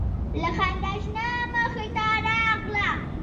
له خندا شنه مخې ته راغله